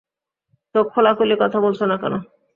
তো খোলাখুলি কথা বলছো না কেন?